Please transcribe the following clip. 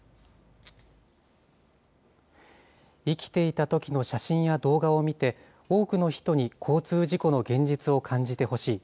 生きていたときの写真や動画を見て、多くの人に交通事故の現実を感じてほしい。